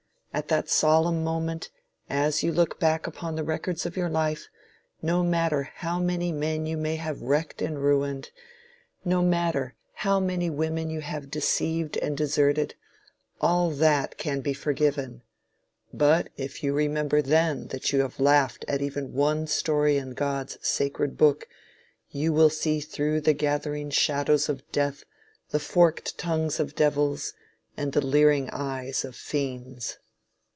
At that solemn moment, as you look back upon the records of your life, no matter how many men you may have wrecked and ruined; no matter how many women you have deceived and deserted, all that can be forgiven; but if you remember then that you have laughed at even one story in God's "sacred book" you will see through the gathering shadows of death the forked tongues of devils, and the leering eyes of fiends.